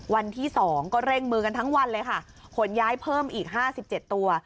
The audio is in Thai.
วันที่๒ก็เร่งมือกันทั้งวันเลยค่ะขนย้ายเพิ่มอีก๕๗ตัว